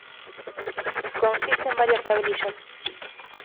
Consiste en varias tablillas.